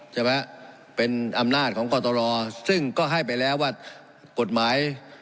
ใช่ไหมเป็นอำนาจของกตรซึ่งก็ให้ไปแล้วว่ากฎหมาย